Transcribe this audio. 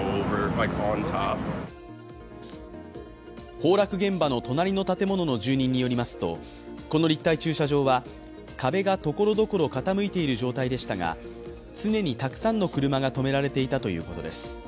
崩落現場の隣の建物の住人によりますと、この立体駐車場は、壁がところどころ傾いている状態でしたが常にたくさんの車が止められていたということです。